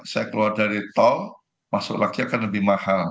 saya keluar dari tol masuk lagi akan lebih mahal